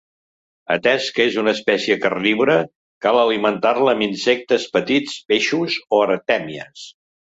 Atès que és una espècie carnívora, cal alimentar-la amb insectes, petits peixos o artèmies.